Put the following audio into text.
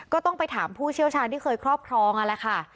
ก็ต้องไปถามผู้เชี่ยวชาญที่เคยครอบครองนั่นแหละค่ะ